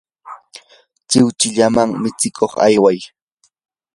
chiwchi llama mitsikuq ayway.